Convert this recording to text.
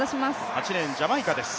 ８レーン、ジャマイカです。